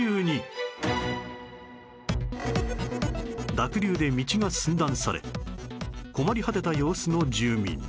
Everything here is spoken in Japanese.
濁流で道が寸断され困り果てた様子の住民